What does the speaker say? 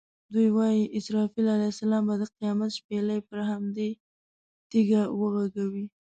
دوی وایي اسرافیل علیه السلام به د قیامت شپېلۍ پر همدې تیږه وغږوي.